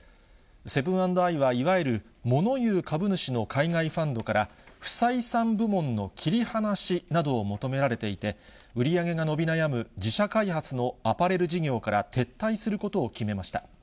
セブン＆アイはいわゆるもの言う株主の海外ファンドから不採算部門の切り離しなどを求められていて、売り上げが伸び悩む自社開発のアパレル事業から撤退することを決めました。